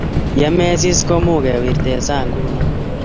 ye mesis ko mukewirten sang nguno